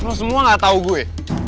lo semua gak tau gue